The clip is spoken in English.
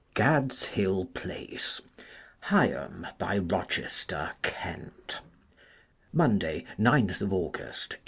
D. Gad^s Hill Place, HlGHAM BY KoCHESTER, KENT, Monday, Ninth August, 1858.